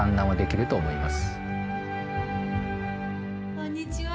こんにちは。